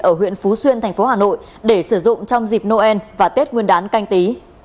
ở huyện phú xuyên tp hà nội để sử dụng trong dịp noel và tết nguyên đán canh tí